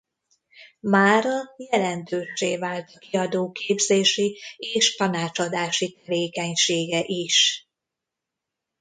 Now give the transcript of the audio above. Mára jelentőssé vált a kiadó képzési és tanácsadási tevékenysége is.